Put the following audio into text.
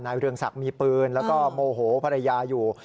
เรืองศักดิ์มีปืนแล้วก็โมโหภรรยาอยู่